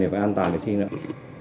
để bảo đảm an toàn vệ sinh lao động